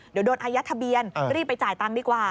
เดี๋ยวโดนอายัดทะเบียนรีบไปจ่ายตังค์ดีกว่า